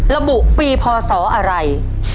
ระบุปีพศอะไร